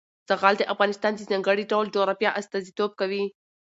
زغال د افغانستان د ځانګړي ډول جغرافیه استازیتوب کوي.